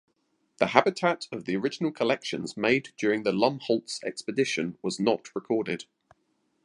The habitat of the original collections made during the Lumholtz expedition was not recorded.